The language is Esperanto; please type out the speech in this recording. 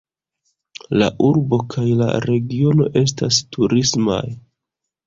La urbo kaj la regiono estas turismaj.